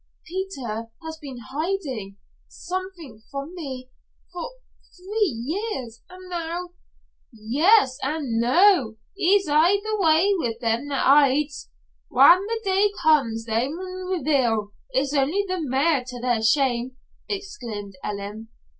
"Peter has been hiding something from me for three years and now " "Yes, an' noo. It's aye the way wi' them that hides whan the day comes they maun reveal it's only the mair to their shame," exclaimed Ellen.